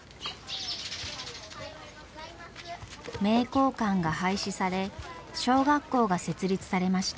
名教館が廃止され小学校が設立されました。